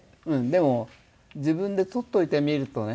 でも自分で取っといてみるとね